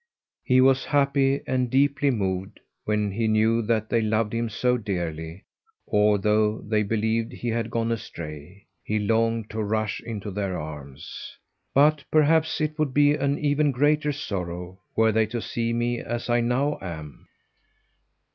He was happy and deeply moved when he knew that they loved him so dearly, although they believed he had gone astray. He longed to rush into their arms. "But perhaps it would be an even greater sorrow were they to see me as I now am."